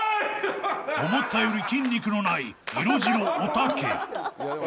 ［思ったより筋肉のない色白おたけ］